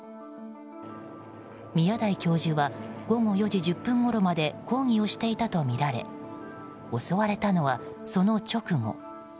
宮台教授は午後４時１０分ごろまで講義をしていたとみられ襲われたのは、その直後。